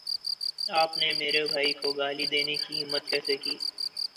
آپ نے میرے بھائی کو گالی دینے کی ہمت کیسے کی